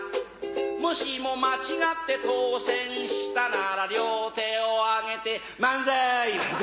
もしも間違って当選したなら両手を上げてマンザイ！なんて。